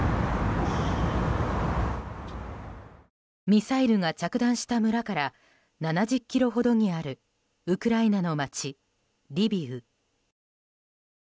ミサイルが着弾した村から７０ｋｍほどにあるウクライナの街リビウ。